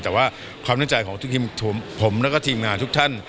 แต่ว่าความในใจของทุกทีมผมแล้วก็ทีมงานทุกท่าน